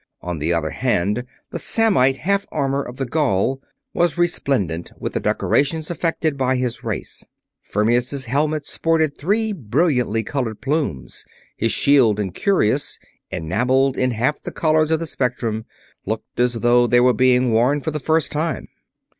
On the other hand, the Samnite half armor of the Gaul was resplendent with the decorations affected by his race. Fermius' helmet sported three brilliantly colored plumes, his shield and cuirass, enameled in half the colors of the spectrum, looked as though they were being worn for the first time.